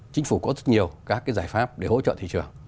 chính phủ có rất nhiều các giải pháp để hỗ trợ thị trường